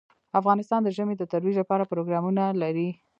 افغانستان د ژمی د ترویج لپاره پروګرامونه لري.